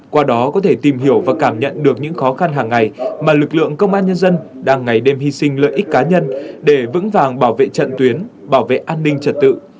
qua đó có thể tìm hiểu và cảm nhận được những khó khăn hàng ngày mà lực lượng công an nhân dân đang ngày đêm hy sinh lợi ích cá nhân để vững vàng bảo vệ trận tuyến bảo vệ an ninh trật tự